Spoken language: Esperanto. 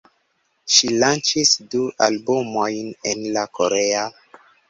Ŝi lanĉis du albumojn en la korea.